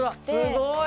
すごい！